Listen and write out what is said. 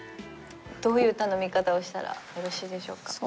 どういう頼み方をしたらよろしいでしょうか。